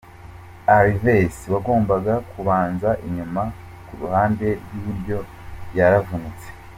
Alves wagombaga kubanza inyuma ku ruhande rw’iburyo yaravunitse.